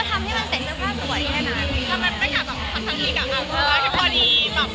มันเหมือนกับมันเหมือนกับมันเหมือนกับ